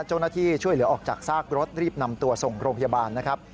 เจ้าหน้าที่ช่วยเหลือออกจากซากรถรีบนำตัวส่งโรงพยาบาลนะครับ